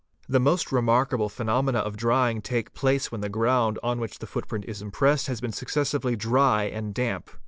The most remarkable phenomena of drying take place when the ground on which the footprint is impressed has been successively dry | and damp.